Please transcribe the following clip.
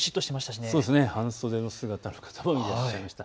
半袖姿の方もいらっしゃいました。